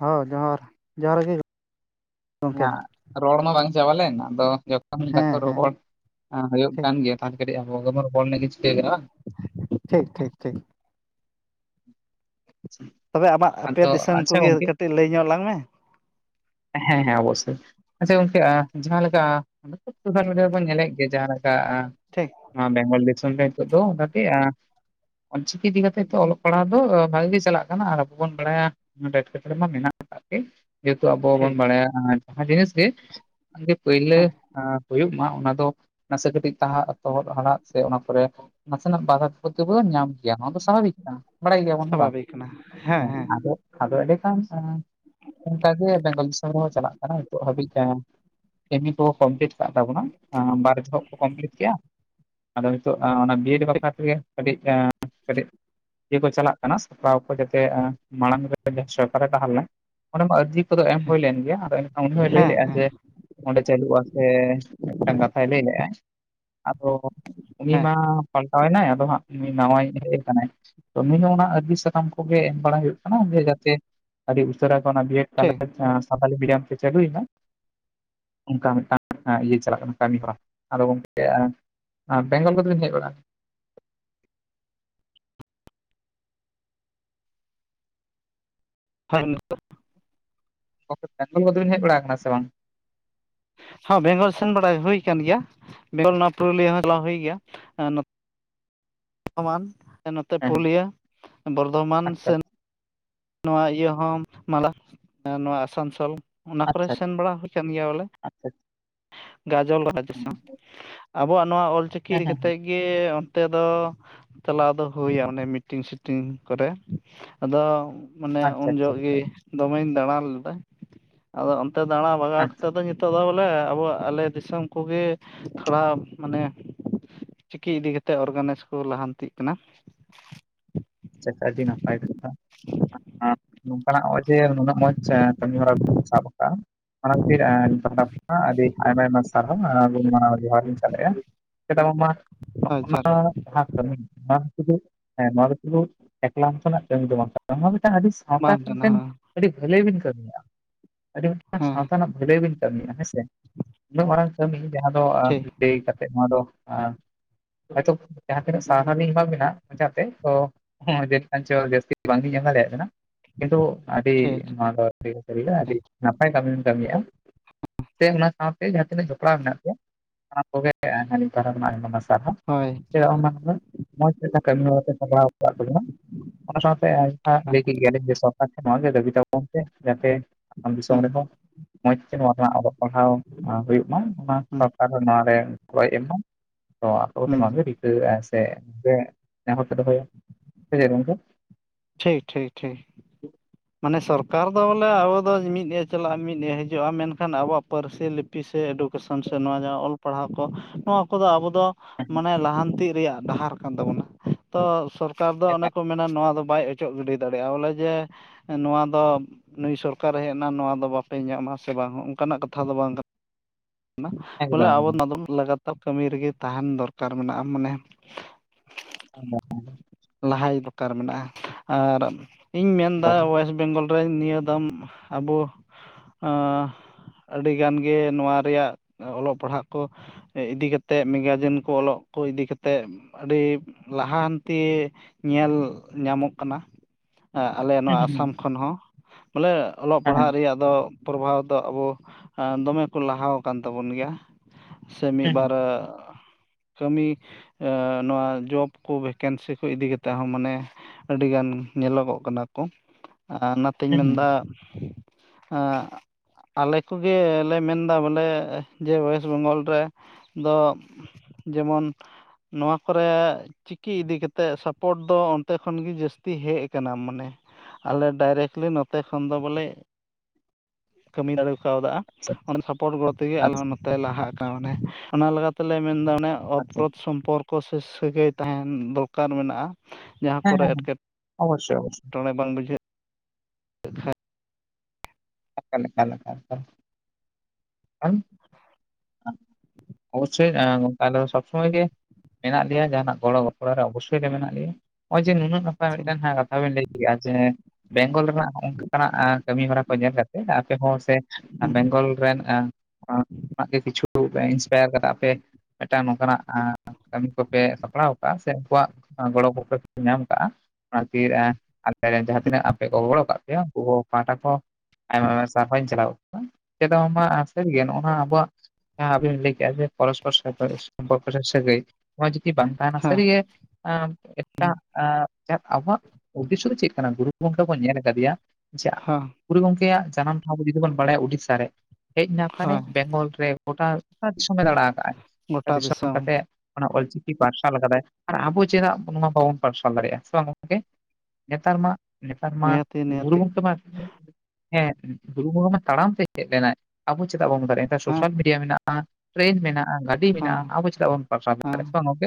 ᱦᱚᱸ ᱡᱚᱦᱟᱨ, ᱡᱚᱦᱟᱨ ᱜᱮ ᱜᱚᱢᱠᱮ ᱦᱟ ᱨᱚᱲ ᱢᱟ ᱵᱟᱝ ᱪᱟᱵᱟ ᱞᱮᱱ, ᱟᱫᱚ ᱡᱚᱛᱚᱱ ᱵᱟᱠ ᱦᱮᱸ ᱦᱮᱸ ᱨᱚᱯᱚᱲ ᱦᱩᱭᱩᱜ ᱴᱷᱤᱠ ᱠᱟᱱ ᱜᱮᱭᱟ ᱛᱟᱦᱚᱞᱮ ᱠᱟᱹᱴᱤᱡ ᱟᱵᱚ ᱜᱮᱵᱚ ᱨᱚᱯᱚᱲ ᱞᱮᱱᱤᱡ ᱜᱮ ᱪᱤᱠᱟ. ᱭᱟ ᱵᱟᱝ ᱴᱷᱤᱠ ᱴᱷᱤᱠ ᱴᱷᱤᱠ ᱥᱮ? ᱛᱚᱵᱮ ᱟᱢᱟᱜ ᱟᱫᱚ ᱟᱯᱮᱭᱟᱜ ᱫᱤᱥᱚᱢ ᱟᱪᱪᱷᱟ ᱠᱚᱜᱮ ᱜᱚᱝᱠᱮ ᱠᱟᱹᱴᱤᱡ ᱞᱟᱹᱭ ᱧᱚᱜ ᱟᱞᱝ ᱢᱮ᱾ ᱦᱮᱸ ᱦᱮᱸ ᱚᱵᱚᱥᱥᱳᱭ, ᱟᱪᱪᱷᱟ ᱜᱚᱝᱠᱮ ᱡᱟᱦᱟᱸᱞᱮᱠᱟ ᱥᱳᱥᱟᱞ ᱢᱮᱰᱤᱢ ᱨᱮᱵᱚᱱ ᱧᱮᱞᱮᱫ ᱜᱮᱭᱟ ᱡᱟᱸᱦᱟᱸ ᱞᱮᱠᱟ ᱴᱷᱤᱠ ᱱᱚᱣᱟ ᱵᱮᱝᱜᱚᱞ ᱫᱤᱥᱚᱢ ᱨᱮ ᱫᱚ ᱚᱱᱠᱟ ᱜᱮ ᱟ ᱚᱞᱪᱤᱠᱤ ᱤᱫᱤ ᱠᱟᱛᱮ ᱛᱚ ᱚᱞᱚᱜ ᱯᱟᱲᱟᱣ ᱫᱚ ᱵᱷᱟᱜᱤ ᱜᱮ ᱪᱟᱞᱟᱜ ᱠᱟᱱᱟ ᱟᱨ ᱟᱵᱚ ᱵᱚᱱ ᱵᱟᱲᱟᱭᱟ ᱮᱴᱠᱮᱴᱚᱬᱮ ᱢᱟ ᱢᱮᱱᱟᱜ ᱟᱠᱟᱫ ᱜᱮ᱾ ᱱᱤᱛᱚᱜ ᱟᱵᱚ ᱵᱚᱱ ᱴᱷᱤᱠ ᱵᱟᱲᱟᱭᱟ ᱡᱟᱦᱟᱸ ᱡᱤᱱᱤᱥ ᱜᱮ ᱯᱩᱭᱞᱟᱹ ᱦᱮᱸ ᱦᱩᱭᱩᱜ ᱢᱟ ᱚᱱᱟ ᱫᱚ ᱱᱟᱥᱮ ᱠᱟᱹᱴᱤᱡ ᱛᱟᱦᱟ ᱛᱚᱦᱚᱫ ᱦᱟᱲᱟᱜ ᱥᱮ ᱚᱱᱟ ᱠᱚᱨᱮ ᱱᱟᱥᱮᱱᱟᱜ ᱵᱟᱫᱷᱟ ᱵᱤᱯᱚᱫ ᱵᱚᱱ ᱧᱟᱢ ᱜᱮᱭᱟ, ᱱᱚᱣᱟ ᱫᱚ ᱥᱟᱵᱷᱟᱵᱤᱠ ᱠᱟᱱᱟ᱾ ᱵᱟᱲᱟᱭ ᱜᱮᱭᱟ ᱵᱚᱱ ᱦᱮ ᱵᱟᱝ᱾ ᱥᱟᱵᱷᱟᱵᱤᱠ ᱠᱟᱱᱟ ᱦᱮᱸ ᱦᱮᱸ ᱦᱟᱸ ᱟᱫᱚ ᱮᱰᱮᱠᱷᱟᱱ ᱚᱱᱠᱟᱜᱮ ᱵᱮᱝᱜᱚᱞ ᱫᱤᱥᱚᱢ ᱨᱮᱦᱚᱸ ᱪᱟᱞᱟᱜ ᱠᱟᱱᱟ ᱱᱤᱛᱚᱜ ᱦᱟᱹᱵᱤᱡ ᱛᱮᱦᱚᱸ᱾ ᱠᱟᱢᱤ ᱠᱚ ᱠᱚᱢᱯᱤᱞᱤᱴ ᱠᱟᱜ ᱛᱟᱵᱚᱱᱟ ᱵᱟᱨ ᱡᱚᱦᱚᱜ ᱠᱚ ᱠᱚᱢᱯᱞᱤᱴ ᱠᱮᱫᱼᱟ, ᱟᱫᱚ ᱱᱤᱛᱚᱜ ᱚᱱᱟ ᱵᱤᱭᱮᱰ ᱴᱷᱤᱠ ᱵᱟᱠᱷᱨᱟ ᱛᱮᱜᱮ ᱠᱟᱹᱴᱤᱡ ᱠᱟᱹᱴᱤᱡ ᱤᱭᱟᱹ ᱠᱚ ᱪᱟᱞᱟᱜ ᱠᱟᱱᱟ, ᱥᱟᱯᱲᱟᱣ ᱠᱚ ᱡᱟᱛᱮ ᱢᱟᱲᱟᱝ ᱨᱮ ᱡᱟᱦᱟᱸ ᱥᱚᱨᱠᱟᱨᱮ ᱛᱟᱦᱮᱸ ᱞᱮᱱᱟ ᱚᱱᱰᱮ ᱢᱟ ᱟᱹᱨᱡᱤ ᱠᱚᱫᱚ ᱮᱢ ᱦᱩᱭ ᱞᱮᱱ ᱜᱮᱭᱟ, ᱟᱫᱚ ᱮᱱᱠᱷᱟᱱ ᱩᱱᱤ ᱦᱚᱭ ᱞᱟᱹᱭ ᱦᱮᱸ ᱞᱮᱫᱼᱟ ᱦᱮᱸ ᱡᱮ ᱚᱸᱰᱮ ᱪᱟᱞᱩᱜ ᱟᱥᱮ ᱢᱤᱫᱴᱟᱝ ᱠᱟᱛᱷᱟᱭ ᱞᱟᱹᱭ ᱞᱮᱜ-ᱟ᱾ ᱟᱫᱚ ᱩᱱᱤ ᱦᱮᱸ ᱢᱟ ᱯᱟᱞᱴᱟᱣ ᱮᱱᱟᱭ, ᱟᱫᱚ ᱦᱟᱸᱜ ᱱᱩᱭ ᱱᱟᱶᱟᱭᱤᱡ ᱦᱮᱡ ᱟᱠᱟᱱᱟᱭ᱾ ᱛᱚ ᱩᱱᱤ ᱦᱚᱸ ᱚᱱᱟ ᱟᱹᱨᱡᱤ ᱥᱟᱠᱟᱢ ᱠᱚᱜᱮ ᱮᱢ ᱵᱟᱲᱟ ᱦᱩᱭᱩᱜ ᱠᱟᱱᱟ, ᱡᱟᱛᱮ ᱟᱹᱰᱤ ᱩᱥᱟᱹᱨᱟ ᱚᱱᱟ ᱵᱤᱭᱮᱰ ᱴᱷᱤᱠ ᱛᱟᱦᱚᱞᱮ ᱥᱟᱛᱟᱞᱤ ᱢᱤᱰᱤᱭᱟᱢ ᱛᱮ ᱪᱟᱞᱩᱭ ᱮᱱᱟ᱾ ᱚᱱᱠᱟ ᱢᱤᱫᱴᱟᱝ ᱦᱟᱸ ᱤᱭᱟᱹ ᱪᱟᱞᱟᱜ ᱠᱟᱱᱟ ᱠᱟᱹᱢᱤ ᱦᱚᱨᱟ ᱟᱫᱚ ᱜᱚᱝᱠᱮ ᱵᱮᱝᱜᱚᱞ ᱠᱚᱫᱚ ᱵᱤᱱ ᱦᱮᱡ ᱵᱟᱲᱟ᱾ ᱦ [unintelligible] ᱜᱚᱝᱠᱮ ᱵᱮᱝᱜᱚᱞ ᱠᱚᱫᱚ ᱵᱤᱱ ᱦᱮᱡ ᱵᱟᱲᱟ ᱟᱠᱟᱱᱟ ᱥᱮ ᱵᱟᱝ? ᱦᱚᱸ ᱵᱮᱝᱜᱚᱞ ᱥᱮᱱ ᱵᱟᱲᱟ ᱦᱩᱭ ᱟᱠᱟᱱ ᱜᱮᱭᱟ, ᱵᱮᱝᱜᱚᱞ ᱱᱚᱣᱟ ᱯᱩᱨᱩᱞᱤᱭᱟ ᱦᱚᱸ ᱪᱟᱞᱟᱣ ᱦᱩᱭ ᱜᱮᱭᱟ᱾ᱟᱨ ᱵᱚᱨᱫᱷᱚᱢᱟᱱ ᱱᱚᱛᱮ ᱦᱮᱸ ᱯᱩᱨᱩᱞᱤᱭᱟᱹ ᱵᱚᱨᱫᱷᱚᱢᱟᱱ ᱟᱪᱪᱷᱟ ᱥᱮᱱ ᱱᱚᱣᱟ ᱤᱭᱟᱹ ᱦᱚᱸ ᱢᱟᱞᱟ ᱱᱚᱣᱟ ᱟᱥᱟᱱᱥᱳᱞ ᱚᱱᱟ ᱠᱚᱨᱮ ᱟᱪᱪᱷᱟ ᱥᱮᱱ ᱵᱟᱲᱟ ᱦᱩᱭ ᱟᱠᱟᱱ ᱜᱮᱭᱟ ᱵᱚᱞᱮ ᱟᱪᱪᱷᱟ ᱟᱪᱪᱷᱟ ᱜᱟᱡᱚᱞ ᱨᱟᱡᱽ ᱫᱤᱥᱚᱢ᱾ ᱟᱵᱚᱣᱟᱜ ᱱᱚᱣᱟ ᱚᱞᱪᱤᱠᱤ ᱦᱮᱸ ᱤᱫᱤ ᱦᱮᱸ ᱠᱟᱛᱮᱫ ᱜᱮ ᱚᱱᱛᱮ ᱫᱚ ᱪᱟᱞᱟᱣ ᱫᱚ ᱦᱩᱭᱟ, ᱚᱱᱮ ᱢᱤᱴᱤᱝ ᱥᱤᱴᱤᱝ ᱠᱚᱨᱮ, ᱟᱫᱚ ᱢᱟᱱᱮ ᱟᱪᱪᱷᱟ ᱩᱱ ᱟᱪᱪᱷᱟ ᱡᱚᱦᱚᱜ ᱜᱮ ᱟᱪᱪᱷᱟ ᱫᱚᱢᱮᱧ ᱫᱟᱬᱟ ᱞᱮᱫᱟ, ᱟᱫᱚ ᱚᱱᱛᱮ ᱫᱟᱬᱟ ᱵᱟᱜᱟᱣ ᱟᱪᱪᱷᱟ ᱠᱟᱛᱮᱫ ᱫᱚ ᱛᱚ ᱵᱚᱞᱮ ᱟᱵᱚᱜ ᱟᱞᱮ ᱟᱵᱚᱭᱟᱜ ᱟᱞᱮ ᱫᱤᱥᱚᱢ ᱠᱚᱜᱮ ᱛᱷᱚᱲᱟ ᱢᱟᱱᱮ ᱪᱤᱠᱤ ᱤᱫᱤ ᱠᱟᱛᱮᱫ ᱚᱨᱜᱟᱱᱟᱭᱤᱡᱽ ᱠᱚ ᱞᱟᱦᱟᱱᱛᱤᱜ ᱠᱟᱱᱟ᱾ ᱪᱟᱠ ᱟᱹᱰᱤ ᱱᱟᱯᱟᱭ ᱠᱟᱛᱷᱟ ᱱᱚᱝᱠᱟᱱᱟᱜ ᱱᱚᱜ ᱡᱮ ᱱᱩᱱᱟᱹᱜ ᱢᱚᱸᱡᱽ ᱠᱟᱹᱢᱤ ᱦᱚᱨᱟ ᱵᱤᱱ ᱥᱟᱵ ᱠᱟᱜ-ᱟ ᱚᱱᱟ ᱠᱷᱟᱹᱛᱤᱨ ᱟᱞᱤᱧ ᱯᱟᱦᱚᱴᱟ ᱠᱷᱚᱱ ᱟᱰᱤ ᱟᱭᱢᱟ ᱟᱭᱢᱟ ᱥᱟᱨᱦᱟᱶ ᱟᱨ ᱜᱩᱱ ᱢᱟᱱᱟᱣ ᱞᱤᱧ ᱡᱚᱦᱟᱨ ᱞᱤᱧ ᱪᱟᱞ ᱮᱟ᱾ ᱟᱪᱪᱷᱟ [unintelligible] ᱮᱠᱞᱟ ᱢᱚᱛᱚᱱ ᱟᱜ ᱠᱟᱹᱢᱤ ᱫᱚ ᱵᱟᱝ ᱱᱚᱣᱟ ᱢᱤᱫᱴᱟᱝ ᱟᱹᱰᱤ ᱥᱟᱶᱛᱟ ᱵᱟᱝ ᱠᱟᱱᱟ ᱢᱤᱫᱴᱮᱱ ᱟᱹᱰᱤ ᱵᱷᱟᱹᱞᱟᱹᱭ ᱵᱤᱱ ᱠᱟᱹᱢᱤᱭᱮᱫ-ᱟ ᱟᱹᱰᱤ ᱢᱤᱫᱟᱝ ᱦᱮᱸ ᱥᱟᱶᱛᱟ ᱨᱮᱱᱟᱜ ᱵᱷᱟᱹᱞᱟᱹᱭ ᱵᱤᱱ ᱠᱟᱹᱢᱤᱭᱮᱫ-ᱟ ᱦᱮᱸ ᱥᱮ ᱩᱱᱟᱹᱜ ᱢᱟᱨᱟᱝ ᱠᱟᱹᱢᱤ ᱡᱟᱦᱟᱸ ᱫᱚ ᱴᱷᱤᱠ ᱞᱟᱹᱭ ᱠᱟᱛᱮ ᱱᱚᱣᱟ ᱫᱚ ᱦᱚᱭ ᱛᱚ ᱡᱟᱦᱟᱸ ᱛᱤᱱᱟᱹᱜ ᱥᱟᱨᱦᱟᱣ ᱞᱤᱧ ᱮᱢᱟ ᱵᱤᱱᱟᱹ ᱢᱚᱪᱟ ᱛᱮ ᱛᱚ [unintelligible] ᱟᱹᱰᱤ ᱜᱟᱱ ᱥᱟᱹᱨᱤ ᱴᱷᱤᱠ ᱜᱮ ᱟᱹᱰᱤ ᱴᱷᱤᱠ ᱱᱟᱯᱟᱭ ᱠᱟᱹᱢᱤ ᱠᱟᱹᱢᱤᱭᱟ-ᱟ᱾ ᱥᱮ ᱚᱱᱟ ᱥᱟᱶᱛᱮ ᱡᱟᱦᱟᱸ ᱛᱤᱱᱟᱹᱜ ᱡᱚᱯᱲᱟᱣ ᱢᱮᱱᱟᱜ ᱠᱳᱭᱟ ᱥᱟᱱᱟᱢ ᱠᱚᱜᱮ ᱟᱞᱤᱧ ᱯᱟᱶᱴᱟ ᱠᱷᱟᱱ ᱟᱜ ᱟᱰᱤ ᱟᱭᱢᱟ ᱥᱟᱨᱦᱟ᱾ ᱦᱳᱭ ᱚᱱᱟ ᱢᱚᱡᱽ ᱠᱟᱹᱢᱤ ᱦᱚᱨᱟ ᱠᱚ ᱥᱟᱯᱲᱟᱣ [unintelligible] ᱱᱚᱣ ᱜᱮ ᱫᱟᱹᱵᱤ ᱛᱟᱵᱚᱱ ᱯᱮ ᱡᱟᱛᱮ ᱟᱜᱟᱢ ᱫᱤᱥᱚᱢ ᱦᱩᱸ ᱨᱮᱦᱚᱸ ᱢᱚᱸᱡᱽ ᱛᱮ ᱱᱚᱣᱟ ᱨᱮᱱᱟᱜ ᱟᱵᱚᱜ ᱯᱟᱲᱦᱟᱣ ᱦᱩᱭᱩᱜ ᱢᱟ ᱚᱱᱟ ᱦᱩᱸ ᱥᱚᱨᱠᱟᱨ ᱱᱚ ᱨᱮ ᱜᱚᱲᱚᱭ ᱮᱢ ᱢᱟ᱾ ᱚ ᱦᱩᱸ [unintelligible] ᱥᱮ ᱱᱮᱦᱚᱨ ᱯᱮ ᱫᱚᱦᱚᱭᱟ ᱥᱮ ᱪᱮᱫ ᱜᱚᱝᱠᱮ? ᱴᱷᱤᱠ ᱴᱷᱤᱠ ᱴᱷᱤᱠ ᱢᱟᱱᱮ ᱥᱚᱨᱠᱟᱨ ᱫᱚ ᱵᱚᱞᱮ ᱟᱵᱚ ᱫᱚ ᱢᱤᱫ ᱮ ᱪᱟᱞᱟᱜ-ᱟ ᱢᱤᱫ ᱮ ᱦᱤᱡᱩᱜ-ᱟ ᱢᱮᱱᱠᱷᱟᱱ ᱟᱵᱚᱣᱟᱜ ᱯᱟᱹᱨᱥᱤ ᱞᱤᱯ ᱯᱤᱥᱮ ᱮᱰᱩᱠᱮᱥᱚᱱ ᱥᱮ ᱱᱚᱣᱟ ᱡᱟᱦᱟ ᱚᱞ ᱯᱟᱲᱦᱟᱣ ᱠᱚ ᱱᱚᱣᱟ ᱠᱚᱫᱚ ᱟᱵᱚ ᱫᱚ ᱞᱟᱦᱟᱱᱛᱤ ᱨᱮᱭᱟᱜ ᱰᱟᱦᱟᱨ ᱠᱟᱱ ᱛᱟᱵᱚᱱᱟ ᱛᱚ ᱥᱚᱨᱠᱟᱨ ᱫᱚ ᱚᱱᱮ ᱠᱚ ᱢᱮᱱᱟ ᱱᱚᱣᱟ ᱫᱚ ᱵᱟᱭ ᱚᱪᱚᱜ ᱜᱤᱰᱤ ᱫᱟᱲᱮᱭᱟᱜ-ᱟ ᱵᱚᱞᱮ ᱡᱮ ᱱᱚᱣᱟ ᱫᱚ ᱱᱩᱭ ᱥᱚᱨᱠᱟᱨ ᱮ ᱦᱮᱡ ᱮᱱᱟ ᱱᱚᱣᱟ ᱫᱚ ᱵᱟᱯᱮ ᱧᱟᱢ ᱟ ᱥᱮ ᱵᱟᱝ ᱚᱱᱠᱟᱱᱟᱜ ᱠᱟᱛᱷᱟ ᱫᱚ ᱵᱟᱝ ᱠᱟ ᱵᱚᱞᱮ ᱮᱠᱫᱚᱢ [inaudible] ᱠᱟᱹᱢᱤ ᱨᱮᱜᱮ ᱛᱟᱦᱮᱱ ᱫᱚᱨᱠᱟᱨ ᱢᱮᱱᱟᱜ-ᱟ ᱢᱟᱱᱮ [inaudible] ᱞᱟᱦᱟᱭ ᱫᱚᱨᱠᱟᱨ ᱢᱮᱱᱟᱜ-ᱟ ᱟᱨ ᱤᱧ ᱢᱮᱱᱫᱟ ᱚᱭᱮᱥᱴ ᱵᱮᱝᱜᱚᱞ [unintelligible] ᱱᱤᱭᱟᱹ ᱫᱟᱢ ᱟᱵᱚ ᱟᱹᱰᱤ ᱜᱟᱱ ᱜᱮ ᱱᱚᱣᱟ ᱨᱮᱭᱟᱜ ᱚᱞᱚᱜ ᱯᱟᱲᱦᱟᱜ ᱠᱚ ᱤᱫᱤ ᱠᱟᱛᱮᱫ ᱢᱤᱜᱟᱨᱡᱮᱱ ᱠᱚ ᱚᱞᱚᱜ ᱠᱚ ᱤᱫᱤ ᱠᱟᱛᱮᱫ ᱟᱹᱰᱤ ᱞᱟᱦᱟᱱᱛᱤ ᱧᱮᱞ ᱧᱟᱢᱚᱜ ᱠᱟᱱᱟ ᱮ ᱟᱞᱮ ᱦᱮᱸ ᱱᱚᱣᱟ ᱦᱮᱸ ᱟᱥᱟᱢ ᱠᱷᱚᱱ ᱦᱚᱸ ᱵᱚᱞᱮ ᱚᱞᱚᱜ ᱦᱮᱸ ᱦᱮᱸ ᱯᱟᱲᱦᱟᱜ ᱨᱮᱭᱟᱜ ᱫᱚ ᱯᱨᱚᱵᱷᱟᱵᱽ ᱫᱚ ᱟᱵᱚ ᱫᱚᱢᱮ ᱠᱚ ᱞᱟᱦᱟ ᱠᱟᱱ ᱛᱟᱵᱚᱱ ᱜᱮᱭᱟ᱾ ᱥᱮ ᱦᱮᱸ ᱦᱮᱸ ᱢᱤᱫᱵᱟᱨ ᱠᱟᱹᱢᱤ ᱮ ᱱᱚᱣᱟ ᱡᱚᱵ ᱠᱚ ᱵᱷᱮᱠᱮᱱᱥᱤ ᱠᱚ ᱤᱫᱤ ᱠᱟᱛᱮᱫ ᱦᱚᱸ ᱢᱟᱱᱮ ᱟᱹᱰᱤᱜᱟᱱ ᱧᱮᱞᱚᱜᱚᱜ ᱠᱟᱱᱟ ᱠᱚ ᱚᱱᱟᱛᱤᱧ ᱦᱩᱸ ᱦᱩᱸ ᱢᱮᱱᱫᱟ? ᱟᱜ ᱟᱞᱮ ᱠᱚᱜᱮ ᱞᱮ ᱢᱮᱱᱫᱟ ᱵᱚᱞᱮ ᱡᱮ ᱚᱭᱮᱥᱴ ᱵᱮᱝᱜᱚᱞ ᱨᱮ ᱫᱚ ᱡᱮᱢᱚᱱ ᱱᱚᱣᱟ ᱠᱚᱨᱮ ᱪᱤᱠᱤ ᱤᱫᱤ ᱠᱟᱛᱮᱜ ᱥᱟᱯᱚᱴ ᱫᱚ ᱚᱱᱛᱮ ᱠᱷᱚᱱ ᱜᱮ ᱡᱟᱹᱥᱛᱤ ᱦᱮᱡ ᱠᱟᱱᱟ ᱢᱟᱱᱮ᱾ ᱟᱞᱮ ᱰᱟᱭᱨᱮᱠᱞᱤ ᱱᱚᱛᱮ ᱠᱷᱚᱱ ᱫᱚ ᱵᱚᱞᱮ ᱠᱟᱹᱢᱤ ᱫᱟᱲᱮ ᱠᱟᱣᱫᱟ ᱚᱱᱟ ᱥᱟᱯᱚᱴ ᱜᱚᱲᱚ ᱛᱮᱜᱮ ᱟᱞᱮ ᱦᱚᱸ ᱱᱚ ᱛᱮ ᱞᱟᱦᱟ ᱠᱟ ᱢᱟᱱᱮ ᱚᱱᱟ ᱞᱮᱠᱟ ᱛᱮᱞᱮ ᱢᱮᱱ ᱮᱫᱟ ᱚᱱᱮ ᱚᱛᱯᱨᱚᱛ ᱥᱚᱢᱯᱚᱨ ᱠᱚᱥᱮ ᱥᱟᱹᱜᱟᱹᱭ ᱛᱟᱦᱮᱱ ᱫᱚᱨᱠᱟᱨ ᱢᱮᱱᱟᱜ-ᱟ᱾ ᱡᱟᱦᱟᱸ ᱠᱚᱨᱮ ᱮᱴᱠᱮᱴ [inaudible] ᱴᱚᱬᱮ ᱵᱟᱝ ᱵᱩᱡᱷᱟᱹᱜ ᱠᱷᱟᱡ ᱮᱠᱟᱞ ᱮᱠᱟᱞ ᱮᱠᱟᱞ ᱚᱵᱚᱥᱭ ᱮ ᱱᱚᱠᱟ ᱫᱚ ᱥᱚᱵ ᱥᱚᱢᱚᱭ ᱜᱮ ᱢᱮᱱᱟᱜ ᱞᱮᱭᱟ ᱡᱟᱦᱟᱱᱟᱜ ᱜᱚᱲᱚ ᱜᱚᱯᱲᱚ ᱨᱮ ᱚᱵᱚᱥᱳᱭ ᱜᱮ ᱢᱮᱱᱟᱜ ᱞᱮᱭᱟ ᱱᱚᱜᱚᱭ ᱡᱮ ᱱᱩᱱᱟᱹᱜ ᱦᱮᱸ ᱢᱤᱫᱴᱮᱱ ᱦᱟᱸᱜ ᱠᱟᱛᱷᱟ ᱵᱤᱱ ᱞᱟᱹᱭ ᱠᱮᱜᱼᱟ ᱡᱮ ᱵᱮᱝᱜᱚᱞ ᱨᱮ ᱚᱱᱠᱟᱱᱟᱜ ᱠᱟᱹᱢᱤ ᱦᱚᱨᱟ ᱠᱚ ᱧᱮᱞ ᱠᱟᱛᱮ ᱟᱯᱮ ᱦᱚᱸ ᱥᱮ ᱵᱮᱝᱜᱚᱞ ᱨᱮᱱ ᱮ ᱚ ᱠᱤᱪᱷᱩ ᱤᱱᱥᱯᱟᱭᱟᱨ ᱠᱟᱱᱟ ᱯᱮ ᱢᱤᱫᱴᱟᱝ ᱱᱚᱝᱠᱟᱱᱟᱜ ᱟᱸᱻ ᱠᱟᱹᱢᱤ ᱠᱚᱯᱮ ᱥᱟᱯᱲᱟᱣ ᱟᱠᱟᱜᱼᱟ ᱥᱮ ᱩᱱᱠᱩᱣᱟᱜ ᱜᱚᱲᱚ ᱜᱚᱯᱚᱲᱚᱠᱚ ᱧᱟᱢ ᱠᱟᱜᱼᱟ, ᱟᱨ ᱠᱤ ᱮ ᱟᱯᱮ ᱡᱟᱦᱟᱸ ᱛᱤᱱᱟᱹᱜ ᱟᱯᱮ ᱠᱚ ᱜᱚᱲᱚ ᱠᱟᱜ ᱯᱮᱭᱟ ᱩᱱᱠᱩ ᱯᱟᱦᱴᱟ ᱠᱚ, ᱟᱭᱢᱟ ᱟᱭᱢᱟ ᱥᱟᱨᱦᱟᱣ ᱤᱧ ᱪᱟᱞ ᱟᱠᱚ ᱠᱟᱱᱟ ᱪᱮᱫᱚᱢ ᱱᱚᱣᱟ ᱥᱮᱨ ᱜᱮᱭᱟ ᱱᱟᱣᱟ ᱟᱵᱚᱣᱟᱜ ᱡᱟᱦᱟ ᱵᱤᱱ ᱞᱟᱹᱭ ᱠᱮᱫᱮᱜ ᱡᱮ ᱯᱚᱨᱚᱥᱯᱚᱨ ᱥᱚᱢᱯᱚᱨᱠᱚ ᱥᱮ ᱥᱟᱹᱜᱟᱹᱭ ᱱᱚᱣᱟ ᱡᱩᱫᱤ ᱵᱟᱝ ᱛᱟᱦᱮᱸ ᱱᱟ ᱦᱮᱸ ᱥᱟᱹᱨᱤ ᱜᱮ ᱮᱴᱟᱜ ᱮ ᱡᱟᱦᱟ ᱟᱵᱚᱣᱟᱜ ᱩᱫᱽᱫᱮ ᱥᱚ ᱫᱚ ᱪᱮᱫ ᱠᱟᱱᱟ ᱜᱩᱨᱩ ᱜᱚᱢᱠᱮ ᱵᱚᱱ ᱧᱮᱞ ᱠᱟᱫᱮᱭᱟ ᱡᱟ ᱦᱮᱸ ᱜᱩᱨᱩ ᱜᱚᱢᱠᱮᱭᱟᱜ ᱡᱟᱱᱟᱢ ᱴᱷᱟᱶ ᱫᱚ ᱡᱩᱫᱤ ᱵᱚ ᱵᱟᱲᱟᱭᱟ ᱩᱰᱤᱥᱥᱟ ᱨᱮ ᱦᱮᱡ ᱱᱟ ᱠᱟᱨᱮ ᱦᱳᱭ ᱵᱮᱝᱜᱚᱞ ᱨᱮ ᱜᱳᱴᱟ ᱜᱚᱴᱟ ᱫᱤᱥᱚᱢ ᱮ ᱫᱟᱬᱟ ᱠᱟᱜᱟ ᱟᱭ ᱜᱚᱴᱟ ᱫᱤᱥᱚᱢ ᱠᱟᱛᱮᱫ ᱚᱱᱟ ᱚᱞᱪᱤᱠᱤ ᱯᱟᱨᱥᱟᱞ ᱟᱠᱟᱫᱟᱭ ᱟᱨ ᱟᱵᱚ ᱪᱮᱫᱟᱜ ᱚᱱᱟ ᱵᱟᱵᱚ ᱯᱟᱨᱥᱟᱞ ᱫᱟᱲᱮᱭᱟᱜᱼᱟ ᱥᱮ ᱵᱟᱝ ᱜᱚᱢᱠᱮ ᱱᱮᱛᱟᱨ ᱢᱟ, ᱱᱮᱛᱟᱨ ᱢᱟ ᱱᱤᱦᱟᱹᱛᱤ ᱜᱩᱨᱩ ᱱᱤᱦᱟᱹᱛᱤ ᱜᱚᱢᱠᱮ ᱢᱟ ᱦᱮᱸ ᱜᱩᱨᱩ ᱜᱚᱢᱠᱮ ᱢᱟ ᱛᱟᱲᱟᱢᱛᱮ ᱦᱮᱡ ᱞᱮᱱᱟᱭ, ᱟᱵᱚ ᱪᱮᱫᱟᱜ ᱵᱟᱵᱚᱱ ᱫᱟᱲᱮᱭᱟᱜᱼᱟ ᱱᱤᱛᱚᱜ ᱦᱮᱸ ᱥᱳᱥᱟᱞ ᱢᱤᱰᱤᱭᱟ ᱢᱮᱱᱟᱜᱼᱟ, ᱴᱨᱮᱹᱱ ᱢᱮᱱᱟᱜᱼᱟ ᱜᱟᱹᱰ ᱴᱤ ᱦᱮᱸ ᱢᱮᱱᱟᱜᱼᱟ ᱟᱵᱚ ᱪᱮᱫᱟᱜ ᱵᱟᱝ ᱵᱚᱱ ᱯᱟᱲᱟᱣ ᱫᱟᱲᱮᱭᱟᱜᱼᱟ ᱦᱮᱸ ᱦᱮ ᱥᱮ ᱵᱟᱝ ᱜᱚᱢᱠᱮ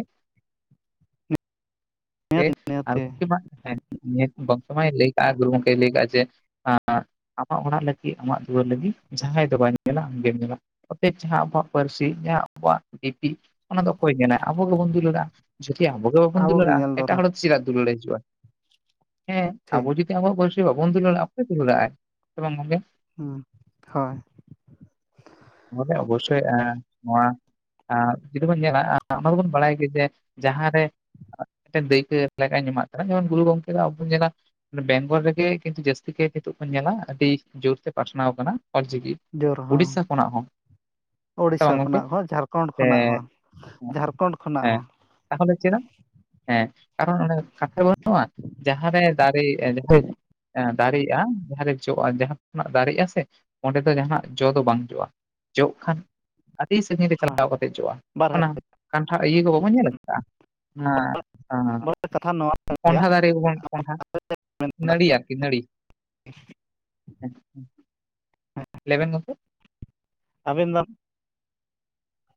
ᱱᱤᱦᱟᱹᱛ [unintelligible] ᱱᱤᱦᱟᱹᱛᱤ [unintelligible] ᱵᱚᱝᱥᱚ ᱢᱟᱭ ᱞᱟᱹᱭ ᱠᱟᱜ-ᱟ ᱜᱩᱨᱩ ᱜᱚᱢᱠᱮᱭ ᱞᱟᱹᱭᱠᱟᱜ-ᱟ ᱡᱮ ᱟᱢᱟᱜ ᱚᱲᱟᱜ ᱞᱟᱹᱜᱤᱫ ᱟᱢᱟᱜ ᱫᱩᱣᱟᱹᱨ ᱞᱟᱹᱜᱤᱫ ᱡᱟᱦᱟᱸᱭ ᱫᱚ ᱵᱟᱭ ᱧᱮᱞᱟ ᱟᱢ ᱜᱮᱢ ᱧᱮᱞᱟ ᱚᱛᱚᱮᱯ ᱡᱟᱦᱟᱸ ᱟᱵᱚᱣᱟᱜ ᱯᱟᱹᱨᱥᱤ ᱡᱟᱦᱟᱸ ᱟᱵᱚᱣᱟᱜ ᱞᱤᱯᱤ ᱚᱱᱟ ᱫᱚ ᱚᱠᱚᱭ ᱧᱮᱞᱟ ᱟᱵᱚ ᱜᱮᱵᱚᱱ ᱫᱩᱞᱟᱹᱲᱟ ᱡᱩᱫᱤ ᱟᱵᱚ ᱜᱮ ᱵᱟᱵᱚᱱ ᱟᱵᱚᱜᱮ ᱫᱩᱞᱟᱹᱲᱟᱜ-ᱟ ᱧᱮᱞ ᱮᱴᱟᱜ ᱫᱚᱨᱠᱟᱨ ᱦᱚᱲ ᱫᱚ ᱪᱮᱫᱟᱜ ᱫᱩᱞᱟᱹᱲᱮ ᱦᱤᱡᱩᱜᱼᱟ, ᱦᱮᱸ ᱟᱵᱚ ᱴᱷᱤᱠ ᱡᱩᱫᱤ ᱟᱵᱚᱣᱟᱜ ᱯᱟᱹᱨᱥᱤ ᱵᱟᱵᱚᱱ ᱫᱩᱞᱟᱹᱲᱟᱜᱼᱟ, ᱚᱠᱚᱭ ᱫᱩᱞᱟᱹᱲᱜ-ᱟᱭ ᱥᱮ ᱵᱟᱝ ᱜᱚᱝᱠᱮ? ᱦᱩᱸ ᱦᱚᱭ ᱵᱚᱞᱮ ᱚᱵᱚᱥᱥᱳᱭ ᱟᱸ ᱱᱚᱣᱟ, ᱟᱨ ᱡᱩᱫᱤ ᱵᱚᱱ ᱧᱮᱞᱟ ᱚᱱᱟ ᱫᱚᱵᱚᱱ ᱵᱟᱲᱟᱭ ᱜᱮ ᱡᱮ ᱡᱟᱦᱟᱸ ᱨᱮ, ᱢᱤᱫᱴᱮᱱ ᱫᱟᱹᱭᱠᱟᱹ ᱞᱮᱠᱟᱧ ᱮᱢᱟᱜ ᱠᱟᱱᱟ ᱡᱮᱢᱚᱱ ᱜᱩᱨᱩ ᱜᱚᱢᱠᱮ ᱫᱚ ᱟᱵᱚ ᱧᱮᱞᱟ ᱵᱮᱝᱜᱚᱞ ᱨᱮᱜᱮ ᱠᱤᱱᱛᱩ ᱡᱟᱹᱥᱛᱤ ᱠᱟᱭᱛᱮ ᱱᱤᱛᱚᱜ ᱵᱚᱱ ᱧᱮᱞᱟ ᱟᱹᱰᱤ ᱡᱳᱨᱛᱮ ᱯᱟᱥᱱᱟᱣ ᱟᱠᱟᱱᱟ ᱚᱞᱪᱤᱠᱤ ᱡᱳᱨ ᱦᱚᱸ ᱩᱰᱤᱥᱥᱟ ᱠᱷᱚᱱᱟᱜ ᱦᱚᱸ ᱥᱮ ᱳᱲᱤᱥᱥᱟ ᱵᱟᱝ ᱜᱚᱝᱠᱮ? ᱠᱷᱚᱱᱟᱜ ᱦᱚᱸ ᱡᱷᱟᱲᱠᱷᱚᱸᱰ ᱥᱮ ᱠᱷᱚᱱᱟᱜ ᱦᱚᱸ ᱡᱷᱟᱲᱠᱷᱚᱸᱰ ᱠᱷᱚᱱᱟᱜ ᱦᱚᱸ ᱠᱟᱛᱷᱟ ᱫᱚ ᱪᱮᱫᱟᱜ ᱦᱮᱸᱻ ᱠᱟᱨᱚᱱ ᱚᱱᱮ ᱠᱟᱛᱷᱟ ᱵᱟᱹᱱᱩᱜᱼᱟ ᱡᱟᱦᱟᱸ ᱨᱮ ᱫᱟᱨᱮ ᱱᱤᱯᱷᱩᱴ ᱮᱸ ᱫᱟᱨᱮᱜᱼᱟ ᱡᱟᱦᱟᱸ ᱨᱮ ᱡᱚᱜᱼᱟ ᱡᱟᱦᱟᱸ ᱠᱷᱚᱱᱟᱜ ᱫᱟᱨᱮᱜᱼᱟ ᱥᱮ ᱚᱸᱰᱮ ᱫᱚ ᱡᱟᱦᱟᱸᱱᱟᱜ ᱡᱚ ᱫᱚ ᱵᱟᱝ ᱡᱚᱜᱼᱟ ᱡᱚᱜ ᱠᱷᱟᱱ ᱟᱹᱰᱤ ᱥᱟᱜᱤᱧ ᱨᱮ ᱦᱳᱭ ᱪᱟᱞᱟᱣ ᱠᱟᱛᱮ ᱡᱚᱜᱼᱟ ᱵᱟᱨᱦᱮ ᱚᱱᱟ ᱠᱟᱱᱴᱷᱟᱲ ᱤᱭᱟᱹ ᱠᱚ ᱵᱟᱵᱚᱱ ᱧᱮᱞ ᱠᱟᱫᱟ ᱚᱱᱟ [inaudible] ᱠᱟᱛᱷᱟ ᱱᱚᱣᱟ ᱠᱟᱱ ᱜᱮᱭᱟ ᱠᱚᱸᱰᱷᱟ ᱫᱟᱨᱮᱵᱚᱱ ᱠᱚᱸᱰᱷᱟ ᱱᱟᱹᱲᱤ ᱟᱨᱠᱤ ᱱᱟᱹᱲᱤ ᱟᱪᱪᱷᱟ ᱦᱩᱸ ᱦᱚᱸᱜ ᱞᱟᱹᱭ ᱢᱮ ᱜᱚᱢᱠᱮ, ᱟᱵᱤᱱ ᱫᱚ,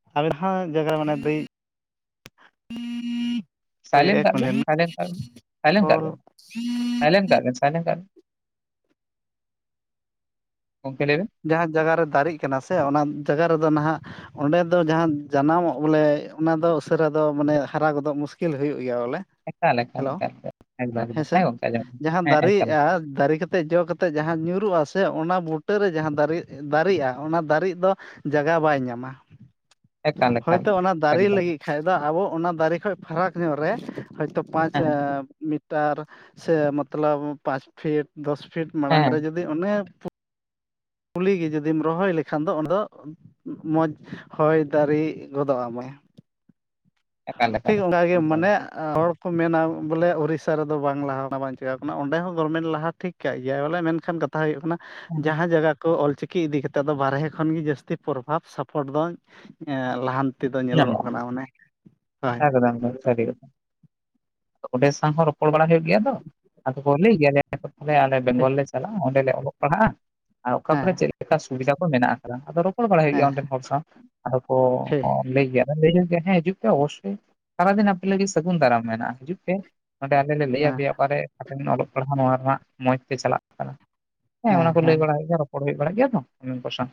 [inaudible] ᱦᱳᱭ ᱥᱟᱭᱞᱮᱱᱴ ᱮᱠ ᱠᱟᱜ ᱢ ᱵᱮᱱ ᱥᱟᱭᱞᱮᱱᱴ ᱠᱟᱜ ᱵᱮᱱ [unintelligible] [inaudible] ᱵᱟᱭ ᱞᱟᱹᱭ ᱠᱟᱜ-ᱟ, ᱜᱚᱢᱠᱮ ᱞᱟᱹᱭ ᱵᱤᱱ, ᱡᱟᱦᱟᱸ ᱡᱟᱜᱟ ᱨᱮ ᱫᱟᱨᱮᱜ ᱠᱟᱱᱟ ᱥᱮ ᱚᱱᱟ ᱡᱟᱜᱟ ᱨᱮᱫᱚ ᱱᱟᱦᱟᱜ, ᱚᱸᱰᱮ ᱫᱚ ᱡᱟᱦᱟᱸ ᱡᱟᱱᱟᱢᱚᱜ ᱵᱚᱞᱮ ᱚᱱᱟ ᱫᱚ ᱩᱥᱟᱹᱨᱟ ᱫᱚ ᱢᱟᱱᱮ ᱦᱟᱨᱟ ᱜᱚᱫᱚᱜ ᱢᱩᱥᱠᱤᱞ ᱦᱩᱭᱩᱜ ᱜᱮᱭᱟ ᱵᱚᱞᱮ᱾ ᱮᱠᱟᱞ ᱮᱠᱟᱞ ᱦᱮᱞᱳ ᱮᱠᱟᱞ ᱮᱠᱫᱚᱢ ᱮᱠᱫᱚᱢ ᱦᱮᱸᱥᱮ ᱦᱮᱸ ᱜᱚᱝᱠᱮ ᱟᱸᱡᱚᱢᱚᱜ ᱡᱟᱦᱟᱸ ᱠᱟᱱᱟ ᱦᱮᱸ ᱮᱠᱟᱞ ᱫᱟᱨᱮᱜᱼᱟ ᱫᱟᱨᱮ ᱠᱟ ᱛᱮ ᱡᱚ ᱠᱟᱛᱮ ᱡᱟᱦᱟᱸ ᱧᱩᱨᱩᱜᱼᱟ ᱥᱮ ᱚᱱᱟ ᱵᱩᱴᱟᱹᱨ ᱨᱮ ᱡᱟᱦᱟᱸ ᱫᱟᱨᱮ ᱫᱟᱨᱮᱜᱼᱟ ᱚᱱᱟ ᱫᱟᱨᱮᱜ ᱫᱚ ᱡᱟᱜᱟ ᱵᱟᱭ ᱧᱟᱢᱟ ᱮᱠᱟᱞ ᱦᱚᱭ ᱮᱠᱟᱞ ᱛᱚ ᱚᱱᱟ ᱫᱟᱨᱮ ᱮᱠᱫᱚᱢ ᱞᱟᱹᱜᱤᱫ ᱯᱷᱟᱭᱫᱟ ᱟᱵᱚ ᱚᱱᱟ ᱫᱟᱨᱮ ᱠᱷᱚᱡ ᱯᱷᱟᱨᱟᱠ ᱧᱚᱜ ᱨᱮ ᱦᱚᱳᱭᱛᱳ ᱯᱟᱸᱪ ᱦᱮᱸ ᱢᱤᱴᱟᱨ ᱥᱮ ᱢᱟᱛᱞᱟᱵ ᱯᱟᱸᱪ ᱯᱷᱤᱴ ᱫᱚᱥ ᱯᱷᱤᱴ ᱢᱟᱲᱟᱝ ᱦᱮᱸ ᱨᱮ ᱡᱩᱫᱤ ᱚᱱᱮ ᱠᱩᱞᱤ ᱜᱮ ᱡᱩᱫᱤᱢ ᱨᱚᱦᱚᱭ ᱞᱮᱠᱷᱟᱱ ᱫᱚ ᱚᱱᱟ ᱫᱚ ᱢᱚᱡᱽ ᱦᱚᱭ ᱫᱟᱨᱮ ᱜᱚᱫᱚᱜ ᱟᱢᱟᱭ᱾ ᱮᱠᱟᱞ ᱮᱠᱟᱞ ᱴᱷᱤᱠ ᱚᱱᱠᱟ ᱜᱮ ᱮᱠᱫᱚᱢ ᱢᱟᱱᱮ ᱦᱚᱲ ᱠᱚ ᱢᱮᱱᱟ ᱵᱚᱞᱮ ᱩᱲᱤᱥᱥᱟ ᱨᱮᱫᱚ ᱵᱟᱝᱞᱟ [unintelligible] ᱵᱟᱝ ᱪᱤᱠᱟᱹ ᱠᱟᱱᱟ ᱚᱸᱰᱮ ᱦᱚᱸ ᱜᱚᱨᱢᱮᱱᱴ ᱞᱟᱦᱟ ᱴᱷᱤᱠ ᱠᱟᱜ ᱜᱮᱟᱭ ᱵᱚᱞᱮ ᱢᱮᱱᱠᱷᱟᱱ ᱠᱟᱛᱷᱟ ᱦᱩᱭᱩᱜ ᱠᱟᱱᱟ ᱡᱟᱦᱟᱸ ᱡᱟᱜᱟ ᱠᱚ ᱚᱞᱪᱤᱠᱤ ᱤᱫᱤ ᱠᱟᱛᱮ ᱫᱚ ᱵᱟᱨᱦᱮ ᱠᱷᱚᱱ ᱜᱮ ᱡᱟᱹᱥᱛᱤ ᱯᱨᱚᱵᱷᱟᱵ ᱥᱟᱯᱚᱴ ᱫᱚ ᱞᱟᱦᱟᱱᱛᱤ ᱛᱤ ᱫᱚ ᱧᱮᱞᱚᱜᱚᱜ ᱧᱟᱢᱚᱜᱼᱟ ᱠᱟᱱᱟ ᱢᱟᱱᱮ ᱾ ᱮᱠᱫᱚᱢ ᱮᱠᱫᱚᱢ ᱥᱟᱹᱨᱤ ᱠᱟᱛᱷᱟ᱾ ᱚᱸᱰᱮ ᱥᱟᱶ ᱦᱚ ᱨᱚᱯᱚᱲ ᱵᱟᱲᱟ ᱦᱩᱭᱩᱜ ᱜᱮᱭᱟ ᱛᱚ ᱟᱫᱚ ᱠᱚ ᱞᱟᱹᱭ ᱜᱮᱭᱟ ᱮ ᱟᱞᱮ ᱴᱷᱤᱠ ᱵᱮᱝᱜᱚᱞ ᱞᱮ ᱪᱟᱞᱟᱜᱼᱟ ᱚᱸᱰᱮ ᱞᱮ ᱚᱞᱚᱜ ᱯᱟᱲᱦᱟᱜᱼᱟ ᱟᱨ ᱚᱠᱟ ᱦᱮᱸ ᱠᱚᱨᱮ ᱪᱮᱫ ᱞᱮᱠᱟ ᱥᱩᱵᱤᱫᱷᱟ ᱠᱚ ᱢᱮᱱᱟᱜ ᱟᱠᱟᱫᱟ ᱟᱫᱚ ᱨᱚᱯᱚᱲ ᱵᱟᱲᱟᱭ ᱦᱩᱭᱩᱜ ᱜᱮᱭᱟ ᱦᱮᱸ ᱚᱸᱰᱮᱱ ᱦᱚᱲ ᱥᱟᱶ ᱟᱫᱚ ᱠᱚ ᱴᱷᱤᱠ ᱞᱟᱹᱭ ᱜᱮᱭᱟ ᱞᱟᱹᱭᱟ ᱡᱮ ᱦᱮᱸ ᱦᱤᱡᱩᱜ ᱯᱮ ᱚᱵᱚᱥᱥᱚᱭ ᱥᱟᱨᱟᱫᱤᱱ ᱟᱯᱮ ᱞᱟᱹᱜᱤᱫ ᱥᱟᱹᱜᱩᱱ ᱫᱟᱨᱟᱢ ᱢᱮᱱᱟᱜᱼᱟ ᱦᱤᱡᱩᱜ ᱯᱮ ᱾ ᱱᱚᱰᱮ ᱟᱞᱮ ᱞᱮ ᱞᱟᱹᱭ ᱦᱮᱸ ᱟᱯᱮᱭᱟ ᱚᱠᱟᱨᱮ ᱚᱞᱚᱜ ᱯᱟᱲᱦᱟᱜ ᱱᱚᱣᱟ ᱨᱮᱱᱟᱜ ᱢᱚᱸᱡᱽ ᱛᱮ ᱪᱟᱞᱟᱜ ᱠᱟᱱᱟ ᱦᱮᱸ ᱚᱱᱟᱠᱚ ᱞᱟᱹᱭ ᱵᱟᱲᱟ ᱦᱩᱭᱩᱜ ᱜᱮᱭᱟ ᱨᱚ ᱯᱚᱲ ᱦᱩᱭ ᱵᱟᱲᱟᱜ ᱜᱮᱭᱟ ᱛᱚ ᱩᱱᱠᱩ ᱥᱟᱶ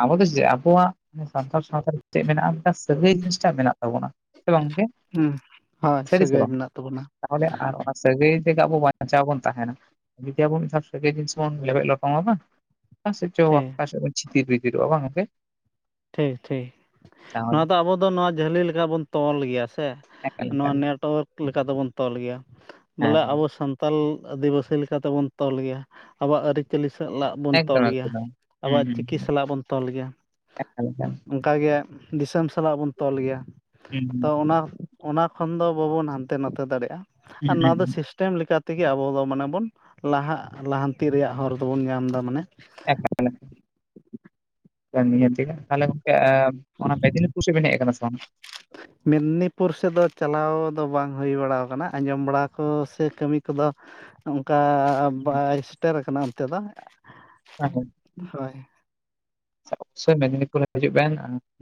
ᱟᱵᱚ ᱫᱚ ᱡᱮ ᱟᱵᱚᱣᱟᱜ ᱥᱟᱱᱛᱟᱲ ᱥᱟᱶᱛᱟ ᱪᱮᱫ ᱢᱮᱱᱟᱜᱼᱟ ᱢᱤᱫᱴᱟᱝ ᱥᱟᱹᱜᱟᱹᱭ ᱡᱤᱱᱤᱥ ᱴᱟᱜ ᱢᱮᱱᱟᱜ ᱛᱟᱵᱚᱱᱟ ᱥᱮ ᱵᱟᱝ ᱜᱚᱝᱠᱮ? ᱦᱮᱸ ᱦᱳᱭ ᱥᱟᱹᱨᱤ ᱥᱮ ᱥᱟᱹᱜᱟᱹᱭ ᱵᱟᱝ ᱢᱮᱱᱟᱜ ᱛᱟᱵᱚᱱᱟ᱾ ᱛᱟᱦᱚᱞᱮ ᱟᱨ ᱚᱱᱟ ᱥᱟᱹᱜᱟᱹᱭ ᱛᱮᱜᱮ ᱟᱵᱚ ᱵᱟᱧᱪᱟᱣ ᱵᱚᱱ ᱛᱟᱦᱮᱱᱟ᱾ ᱡᱩᱫᱤ ᱟᱵᱚ ᱢᱤᱫ ᱥᱟᱹᱜᱟᱭ ᱡᱤᱱᱤᱥ ᱵᱚᱱ ᱞᱮᱵᱮᱫ ᱞᱚᱴᱚᱢᱟ ᱵᱟᱝ ᱴᱷᱤᱠ [unintelligible] ᱪᱤᱛᱤᱨ ᱵᱷᱤᱛᱤᱨᱚᱜ ᱟ ᱵᱟᱝ ᱜᱚᱝᱠᱮ ᱴᱷᱤᱠ ᱴᱷᱤᱠ ᱛᱟᱦᱚᱞᱮ ᱱᱚᱣᱟ ᱫᱚ ᱟᱵᱚ ᱫᱚ ᱱᱚᱣᱟ ᱡᱷᱟᱹᱞᱤ ᱞᱮᱠᱟ ᱵᱚᱱ ᱛᱚᱞ ᱜᱮᱭᱟ ᱥᱮ ᱮᱠᱟᱞ ᱱᱚᱣᱟ ᱮᱠᱟᱞ ᱱᱮᱴᱚᱣᱟᱨᱠ ᱞᱮᱠᱟ ᱛᱮᱵᱚᱱ ᱛᱚᱞ ᱜᱮᱭᱟ ᱵᱚᱞᱮ ᱦᱮᱸ ᱟᱵᱚ ᱥᱟᱱᱛ ᱛᱟᱞ ᱟᱹᱫᱤᱵᱟᱹᱥᱤ ᱞᱮᱠᱟᱛᱮᱵᱚᱱ ᱛᱚᱞ ᱜᱮᱭᱟ ᱟᱵᱚᱣᱟᱜ ᱟᱹᱨᱤᱪᱟᱹᱞᱤ ᱥᱟᱞᱟᱜ ᱵᱚᱱ ᱮᱠᱫᱚᱢ ᱛᱚᱞ ᱜᱮᱭᱟ ᱮᱠᱫᱚᱢ ᱦᱩᱸ ᱟᱵᱚᱣᱟᱜ ᱦᱩᱸ ᱪᱤᱠᱤ ᱦᱩᱸ ᱥᱟᱞᱟᱜ ᱵᱚᱱ ᱛᱚᱞ ᱜᱮᱭᱟ᱾ [unintelligible] ᱚᱱᱠᱟ ᱜᱮ ᱫᱤᱥᱚᱢ ᱥᱟᱞᱟᱜ ᱵᱚᱱ ᱛᱚᱞ ᱜᱮᱭᱟ ᱦᱩᱸ ᱦᱩᱸ ᱛᱚ ᱚᱱᱟ ᱚᱱᱟ ᱠᱷᱚᱱ ᱫᱚ ᱵᱟᱵᱚᱱ ᱦᱟᱱᱛᱮ ᱱᱟᱛᱮ ᱫᱟᱲᱮᱭᱟᱜᱼᱟ ᱦᱩᱸ ᱟᱨ ᱦᱩᱸ ᱱᱚᱣᱟ ᱫᱚ ᱥᱤᱥ ᱴᱮᱢ ᱞᱮᱠᱟ ᱛᱮᱜᱮ ᱟᱵᱚ ᱫᱚ ᱢᱟᱱᱮ ᱵᱚᱱ ᱞᱟᱦᱟᱜ ᱞᱟᱦᱟᱱᱛᱤ ᱨᱮᱭᱟᱜ ᱦᱚᱨ ᱫᱚᱵᱚᱱ ᱧᱟᱢ ᱮᱫᱟ ᱢᱟᱱᱮ [unintelligible] [unintelligible] ᱛᱟᱦᱞᱮ ᱜᱚᱝᱠᱮ ᱚᱱᱟ ᱢᱮᱫᱽᱱᱤᱯᱩᱨ ᱥᱮᱫ ᱵᱮᱱ ᱦᱮᱡ ᱟᱠᱟᱱᱟ ᱥᱮ ᱵᱟᱝ? ᱢᱮᱫᱽᱱᱤᱯᱩᱨ ᱥᱮᱫ ᱫᱚ ᱪᱟᱞᱟᱣ ᱫᱚ ᱵᱟᱝ ᱦᱩᱭ ᱵᱟᱲᱟᱣ ᱠᱟᱱᱟ ᱟᱸᱡᱚᱢ ᱵᱟᱲᱟ ᱠᱚ ᱥᱮ ᱠᱟᱹᱢᱤ ᱠᱚᱫᱚ [inaudible] ᱚᱱᱠᱟ ᱵᱟᱭ ᱥᱮᱴᱮᱨ ᱟᱠᱟᱱᱟ ᱚᱱᱛᱮ ᱫᱚ, ᱦᱳᱭ [unintelligible] ᱚᱵᱚᱥᱳᱭ ᱢᱮᱫᱽᱱᱤᱯᱩᱨ ᱨᱮ ᱦᱤᱡᱩᱜ ᱵᱮᱱ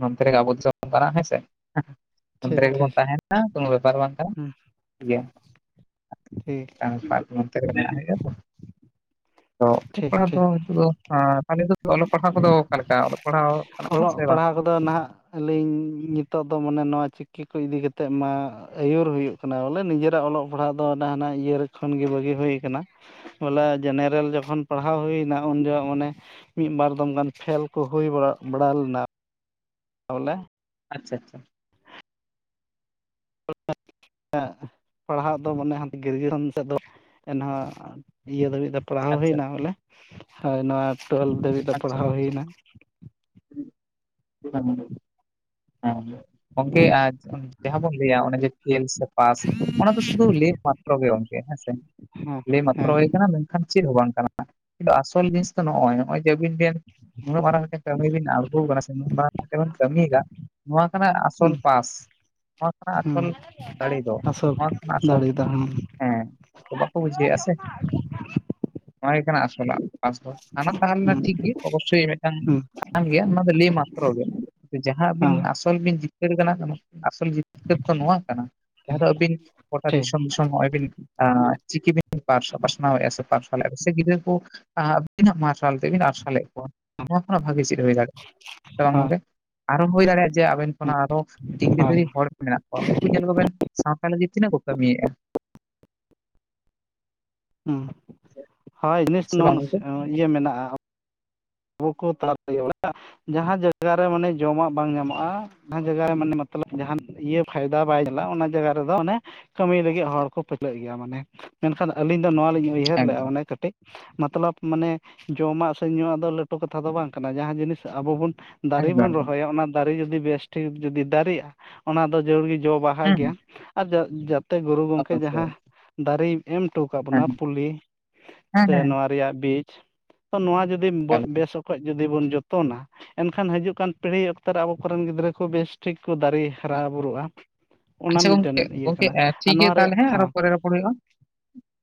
ᱚᱱᱛᱮ ᱨᱮᱜᱮ ᱟᱵᱚ [unintelligible] ᱠᱟᱱᱟ ᱦᱮᱸ ᱥᱮ᱾ ᱱᱚᱱᱮ ᱴᱷᱤᱠ ᱨᱮᱜᱮ ᱵᱚᱱ ᱴᱷᱤᱠ ᱛᱟᱦᱮᱱᱟ ᱠᱳᱱᱳ ᱵᱮᱯᱟᱨ ᱵᱟᱝ ᱠᱟᱱᱟ ᱦᱮᱸ ᱴᱷᱤᱠ ᱜᱮᱭᱟ᱾ ᱴᱷᱤᱠ ᱴᱷᱤᱠ ᱴᱷᱤᱠ [unintelligible] ᱟᱫᱚ ᱛᱟᱦᱞᱮ ᱫᱚ ᱚᱞᱚᱜ ᱯᱟᱲᱦᱟᱣ ᱠᱚᱫᱚ ᱚᱠᱟᱮᱠᱟ ᱚᱞᱚᱜ ᱯᱟᱲᱦᱟᱣ ᱠᱟᱱᱟ ᱠᱚ ᱚᱞᱚᱜ ᱥᱮ ᱵᱟᱝ ᱯᱟᱲᱦᱟᱣ ᱠᱚᱫᱚ ᱱᱷᱟᱜ ᱟᱹᱞᱤᱧ ᱱᱤᱛᱚᱜ ᱫᱚ ᱢᱟᱱᱮ ᱱᱚᱣᱟ ᱪᱤᱠᱤ ᱠᱚ ᱤᱫᱤ ᱠᱟᱛᱮᱫ ᱢᱟ ᱟᱹᱭᱩᱨ ᱦᱩᱭᱩᱜ ᱠᱟᱱᱟ ᱵᱚᱞᱮ ᱱᱤᱡᱮᱨᱟᱜ ᱚᱞᱚᱜ ᱯᱟᱲᱦᱟᱜ ᱫᱚ ᱚᱱᱟ ᱦᱟᱱᱟ ᱤᱭᱟᱹ ᱠᱷᱚᱱ ᱜᱮ ᱵᱟᱹᱜᱤ ᱦᱩᱭ ᱠᱟᱱᱟ᱾ ᱵᱚᱞᱮ ᱡᱮᱱᱟᱨᱮᱞ ᱡᱚᱠᱷᱚᱱ ᱯᱟᱲᱦᱟᱣ ᱦᱩᱭᱱᱟ ᱩᱱ ᱡᱚᱦᱚᱜ ᱢᱟᱱᱮ ᱢᱤᱫ ᱵᱟᱨ ᱫᱚᱢ ᱜᱟᱱ ᱯᱷᱮᱞ ᱠᱚ ᱦᱩᱭ ᱵᱟᱲᱟ ᱞᱮᱱᱟ ᱵᱚᱞᱮ ᱟᱪᱪᱷᱟ ᱟᱪᱪᱷᱟ [unintelligible] ᱯᱟᱲᱦᱟᱜ ᱫᱚ ᱢᱟᱱᱮ ᱦᱟᱱᱛᱮ ᱜᱨᱮᱡᱩᱭᱮᱥᱚᱱ ᱥᱮᱫ ᱫᱚ ᱮᱱᱦᱚᱸ ᱤᱭᱟᱹ ᱫᱟᱹᱵᱤᱡ ᱫᱚ ᱯᱟᱲᱦᱟᱣ ᱟᱪᱪᱷᱟ ᱦᱩᱭᱱᱟ ᱵᱚᱞᱮ ᱦᱳᱭ ᱱᱚᱣᱟ ᱴᱩᱭᱮᱞᱵᱽ ᱫᱷᱟᱹᱵᱤᱡ ᱫᱚ ᱟᱪᱪᱷᱟ ᱯᱟᱲᱦᱟᱣ ᱦᱩᱭᱱᱟ᱾ [unintelligible] ᱦᱮᱸ ᱜᱚᱝᱠᱮ ᱟᱨ ᱡᱟᱦᱟᱸ ᱵᱚᱱ ᱞᱟᱹᱭᱟ ᱚᱱᱮ ᱡᱮ ᱯᱷᱮᱞ ᱥᱮ ᱯᱟᱥ ᱚᱱᱟ ᱫᱚ ᱥᱩᱫᱷᱩ ᱞᱟᱹᱭ ᱢᱟᱛᱨᱚ ᱜᱮ ᱜᱚᱝᱠᱮ ᱦᱮᱸᱥᱮ᱾ ᱦᱮᱸ ᱞᱟᱹᱭ ᱢᱟᱛᱨᱚ ᱦᱮᱸ ᱜᱮ ᱠᱟᱱᱟ, ᱢᱮᱱᱠᱷᱟᱱ ᱪᱮᱫ ᱦᱚᱸ ᱵᱟᱝ ᱠᱟᱱᱟ᱾ ᱠᱤᱱᱛᱩ ᱟᱥᱚᱞ ᱡᱤᱱᱤᱥ ᱫᱚ ᱱᱚᱜᱼᱚᱭ ᱱᱚᱜᱼᱚᱭ ᱡᱮ ᱟᱹᱵᱤᱱ ᱵᱮᱤᱱ ᱱᱩᱱᱟᱹᱜ ᱢᱟᱨᱟᱦᱟᱝ ᱢᱤᱫᱴᱮᱱ ᱠᱟᱹᱢᱤ ᱵᱤᱱ ᱟᱬᱜᱚ ᱟᱠᱟᱱᱟ᱾ ᱥᱮ ᱱᱱᱟᱹᱜ ᱢᱟᱨᱟᱨᱟ ᱢᱤᱫ ᱵᱚᱱ ᱠᱟᱹᱢᱤᱭᱮᱫᱟ᱾ ᱱᱚᱣᱟ ᱠᱟᱱᱟ ᱟᱥᱚᱞ ᱦᱮᱸ ᱯᱟᱥ᱾ ᱱᱚᱣᱟᱠᱟᱱᱟ ᱟᱥᱚᱞ ᱫᱟᱲᱮ ᱫᱚ, ᱟᱥᱚᱞ ᱱᱚᱣᱟ ᱟᱥᱚᱞ ᱫᱟᱲᱮ ᱫᱚ ᱦᱮᱸ ᱦᱮᱸ ᱛᱚ ᱵᱟᱠᱚ ᱵᱩᱡᱷᱟᱹᱣᱮᱫᱼᱟ ᱥᱮ᱾ ᱱᱚᱣᱟ ᱠᱟᱱᱟ ᱟᱥᱚᱞᱟᱼᱜ ᱯᱟᱥ ᱫᱚ ᱦᱟᱱᱟ ᱛᱟᱦᱞᱮᱱᱟ ᱴᱷᱤᱠ ᱜᱮ ᱚᱵᱚᱥᱥᱳᱭ ᱢᱮ ᱠᱟᱱ ᱦᱮᱸ ᱜᱮᱭᱟ ᱚᱱᱟ ᱫᱚ ᱞᱟᱹᱭ ᱢᱟᱛᱨᱚ ᱜᱮ, ᱡᱟᱦᱟᱸ ᱟᱹᱵᱤᱱ ᱦᱮᱸ ᱟᱥᱚᱞ ᱵᱤᱱ [unintelligible] ᱟᱥᱚᱞ ᱡᱤᱛᱠᱟᱹᱨ ᱫᱚ ᱱᱚᱣᱟ ᱠᱟᱱᱟ ᱡᱟᱦᱟᱸ ᱫᱚ ᱟᱹᱵᱤᱱ ᱜᱚᱴᱟ ᱴᱷᱤᱠ ᱫᱤᱥᱚᱢ ᱫᱤᱥᱚ ᱚᱭ ᱵᱤᱱ ᱟ ᱪᱤᱠᱤ ᱵᱤᱱ ᱯᱟᱨ ᱯᱟᱥᱱᱟᱣ ᱮ ᱯᱟᱨᱥᱟᱞ ᱟᱯᱮ ᱥᱮ ᱜᱤᱫᱽᱨᱟᱹ ᱠᱚ ᱟᱹᱵᱤᱱᱟᱜ ᱢᱟᱨᱥᱟᱞ ᱛᱮᱵᱤᱱ ᱟᱨᱥᱟᱞᱮᱫ ᱠᱚᱣᱟ᱾ ᱱᱚᱣᱟ ᱠᱷᱚᱱᱟᱜ ᱵᱷᱟᱜᱤ ᱪᱮᱫ ᱦᱩᱭ ᱫᱟᱲᱮᱭᱟᱜᱼᱟ᱾ ᱥᱮ ᱵᱟᱝ ᱦᱳᱭ ᱜᱚᱝᱠᱮ ᱦᱩᱭ ᱫᱟᱲᱭᱟᱜᱼᱟ ᱡᱮ ᱟᱵᱮᱱ ᱠᱷᱚᱱᱟᱜ ᱟᱨᱳ ᱰᱤᱜᱨᱤ ᱦᱳᱭ ᱫᱷᱟᱨᱤᱡ ᱦᱚᱲ ᱢᱮᱱᱟᱜ ᱠᱚᱣᱟ ᱩᱱᱠᱩ ᱧᱮᱞ ᱠᱚᱵᱮᱱ ᱥᱟᱶᱛᱟ ᱞᱟᱹᱜᱤᱫ ᱛᱤᱱᱟᱹᱜ ᱠᱚ ᱠᱟᱹᱢᱤᱭᱮᱫᱼᱟ᱾ ᱦᱳᱭ ᱞᱤᱥᱴ ᱥᱮ ᱵᱟᱝ ᱱᱚᱣᱟ ᱜᱚᱝᱠᱮ ᱤᱭᱟᱹ ᱢᱮᱱᱟᱜᱼᱟ᱾ ᱟᱵᱚ ᱠᱚ ᱛᱟᱞᱟᱨᱮ ᱡᱟᱦᱟᱸ ᱡᱟᱭᱜᱟ ᱨᱮ ᱢᱟᱱᱮ ᱡᱚᱢᱟᱜ ᱵᱟᱝ ᱧᱟᱢᱚᱜᱼᱟ᱾ ᱚᱱᱟ ᱡᱟᱭᱜᱟ ᱨᱮ ᱢᱟᱱᱮ ᱢᱚᱛᱞᱚᱵ ᱡᱟᱦᱟᱱ ᱤᱭᱟᱹ ᱯᱷᱟᱭᱫᱟ ᱵᱟᱭ ᱪᱟᱞᱟ᱾ ᱚᱱᱟ ᱡᱟᱭᱜᱟ ᱨᱮᱫᱚ ᱚᱱᱮ ᱠᱟᱹᱢᱤ ᱞᱟᱹᱜᱤᱫ ᱦᱚᱲ ᱠᱚ ᱯᱷᱟᱹᱪᱞᱟᱹᱜ ᱜᱮᱭᱟ᱾ ᱢᱟᱱᱮ ᱢᱮᱱᱠᱷᱟᱱ ᱟᱹᱞᱤᱧ ᱫᱚ ᱱᱚᱣᱟᱞᱤᱧ᱾ ᱩᱭᱦᱟᱹᱨ ᱞᱮᱫᱼᱟ ᱮᱠᱫᱚᱢ ᱚᱱᱮ ᱠᱟᱹᱴᱤᱡ ᱢᱚᱛᱞᱚᱵᱽ ᱢᱟᱱᱮ ᱡᱚᱢᱟᱜ ᱥᱮ ᱧᱩᱣᱟᱜ ᱫᱚ ᱞᱟᱹᱠ ᱛᱚ ᱠᱟᱛᱷᱟ ᱫᱚ ᱵᱟᱝ ᱠᱟᱱᱟ ᱡᱟᱦᱟᱸ ᱡᱤᱱᱤᱥ ᱟᱵᱚ ᱵᱚᱱ ᱫᱟᱨᱮ ᱮᱠᱫᱚᱢ ᱵᱚᱱ ᱮᱠᱫᱚᱢ ᱨᱚᱦᱚᱭᱟ᱾ ᱚᱱᱟ ᱫᱟᱨᱮ ᱡᱩᱫᱤ ᱵᱮᱥᱴᱷᱤᱠ ᱡᱩᱫᱤ ᱫᱟᱨᱮᱜᱼᱟ᱾ ᱚᱱᱟ ᱫᱚ ᱡᱚᱲ ᱜᱮ ᱡᱚ ᱵᱟᱦᱟ ᱦᱮᱸ ᱜᱮᱭᱟ ᱟᱨ ᱡᱟ ᱛᱮ ᱜᱩᱨᱩ ᱜᱚᱝᱠᱮ ᱚᱵᱚᱥᱥᱳᱭ ᱡᱟᱦᱟᱸ ᱫᱟᱨᱮ ᱮᱢ ᱦᱚᱴᱚ ᱟᱠᱟᱫ ᱵᱚᱱᱟ ᱦᱮᱸ ᱯᱩᱞᱤ ᱦᱮᱸ ᱥᱮ ᱦᱮᱸ ᱱᱚᱣᱟ ᱨᱮᱭᱟᱜ ᱵᱤᱪ ᱛᱚ ᱱᱚᱣᱟ ᱡᱩᱫᱤ ᱵᱚ ᱮᱠᱟᱞ ᱮᱠᱟᱞ ᱵᱮᱥ ᱚᱠᱛ ᱠᱷᱚᱱ ᱡᱩᱫᱤ ᱵᱚᱱ ᱡᱚᱛᱚᱱᱟ ᱾ ᱮᱱᱠᱷᱟᱱ ᱦᱤᱡᱩᱜ ᱠᱟᱱ ᱯᱤᱲᱦᱤ ᱚᱠᱛᱚ ᱨᱮ ᱟᱵᱚ ᱠᱚᱨᱮᱱ ᱜᱤᱫᱽᱨᱟᱹ ᱠᱚ ᱵᱮᱥ ᱴᱷᱤᱠ ᱠᱚ ᱫᱟᱨᱮ ᱦᱟᱨᱟ ᱵᱩᱨᱩᱜᱼᱟ ᱚᱱᱟ ᱟᱪᱪᱷᱟ ᱢᱤᱫᱴᱮᱱ ᱜᱚᱝᱠᱮ, ᱤᱭᱟᱹ ᱜᱚᱝᱠᱮ ᱠᱟᱱᱟ ᱮ ᱴᱷᱤᱠ ᱟᱨ ᱜᱮᱭᱟ ᱱᱚᱣᱟ ᱨᱮᱭᱟᱜ ᱛᱟᱦᱚᱞᱮ ᱦᱮᱸ ᱟᱨᱚ ᱦᱚᱸ ᱯᱚᱨᱮ ᱨᱚᱯᱚᱲ ᱦᱩᱭᱩᱜᱼᱟ᱾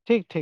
ᱴᱷᱤᱠ-ᱴᱷᱤᱠ